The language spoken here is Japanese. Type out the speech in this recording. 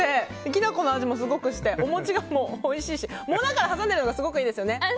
きな粉の味もすごくしてお餅がおいしいしもなかで挟んでるのがすごくいいですよね。